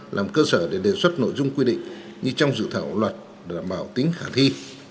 làm cơ sở để đề xuất nội dung quy định như trong dự thảo luật đảm bảo tính khả thi